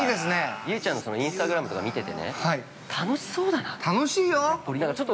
◆雄ちゃんのインスタグラムとか見ててね、楽しそうだなって。